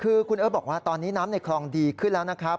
คือคุณเอิร์ทบอกว่าตอนนี้น้ำในคลองดีขึ้นแล้วนะครับ